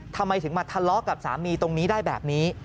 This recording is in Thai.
ทำไมถึงมาทะเลาะกับสามีตรงนี้ได้แบบนี้